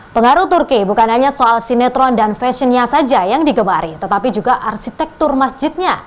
pengaruh turki bukan hanya soal sinetron dan fashionnya saja yang digemari tetapi juga arsitektur masjidnya